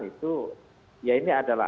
itu ya ini adalah